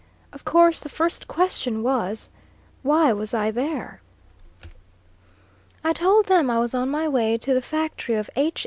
Of course the first question was, Why was I there? I told them I was on my way to the factory of H.